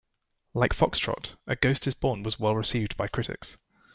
Like "Foxtrot", "A Ghost Is Born" was well received by critics.